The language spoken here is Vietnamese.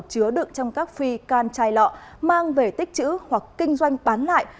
chứa đựng trong các phi can chai lọ mang về tích chữ hoặc kinh doanh bán lại